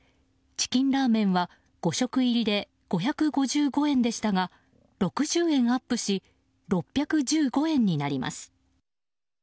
チキンラーメンは５食入りで５５５円でしたが６０円アップし６１５円になります。